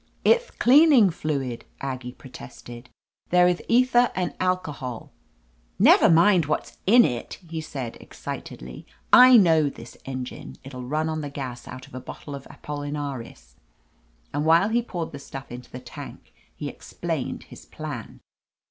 "Ith cleaning fluid,*' Aggie protested. "Thereth ether and alcohol —" "Never mind what's in it," he said excitedly. "I know this engine. It'll run on the gas out of a bottle of ApoUinaris." And while he poured the stuff into the tank he explained his plan.